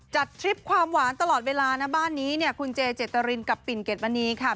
ทริปความหวานตลอดเวลานะบ้านนี้เนี่ยคุณเจเจตรินกับปิ่นเกดมณีค่ะ